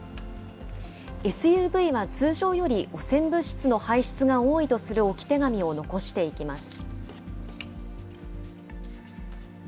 ＳＵＶは通常より汚染物質の排出が多いとする置き手紙を残していきます。